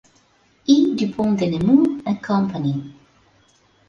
I. du Pont de Nemours and Company".